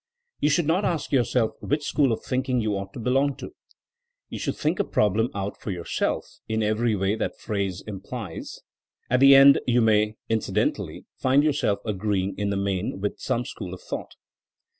You should not ask yourself which st5hooP* of thinking you ought to belong to. You should think a problem out for yourself, in every way that phrase implies. At the end you may, incidentally, find yourself agreeing in the main with some school of thought.